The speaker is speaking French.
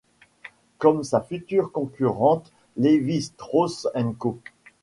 Comme sa future concurrente Levi Strauss & Co.